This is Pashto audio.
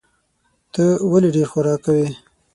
ته ولي ډېر خوراک کوې؟